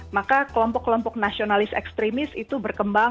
maka kelompok kelompok nasionalis ekstremis itu berkembang